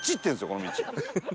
この道。